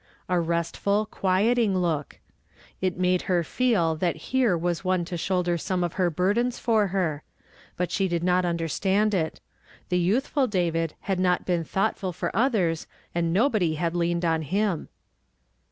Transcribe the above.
A restful, quieting look. It made her feel that here was one to shoulder some of her burdens for her ; but she did not understand it. The youthful David had not been thoughtful for others, and nobody had leaned on him.